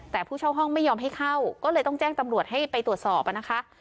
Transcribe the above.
แต่ผู้เช่าห้องไม่ยอมให้เข้าก็เลยต้องแจ้งตำรวจให้ไปตรวจสอบนะคะ